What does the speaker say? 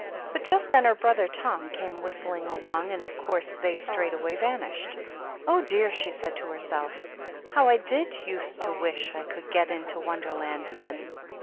But just then her brother Tom came whistling along, and of course they straightway vanished. " Oh, dear !" she said to herself; " how I did use to wish I could get into Wonderland then